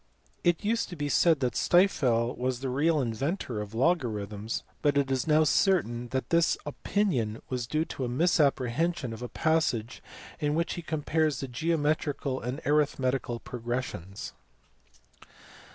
It used to be said that Stifel was the real inventor of logarithms, but it is now certain that this opinion was due to a misapprehension of a passage in which he compares geometrical and arithmetical progressions.